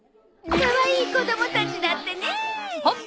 かわいい子どもたちだってねえ。